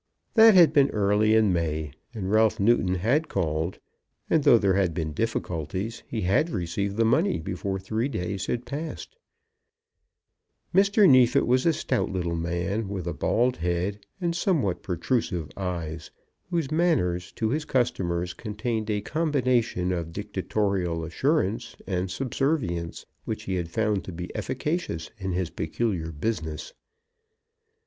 That had been early in May, and Ralph Newton had called, and, though there had been difficulties, he had received the money before three days had passed. Mr. Neefit was a stout little man, with a bald head and somewhat protrusive eyes, whose manners to his customers contained a combination of dictatorial assurance and subservience, which he had found to be efficacious in his peculiar business.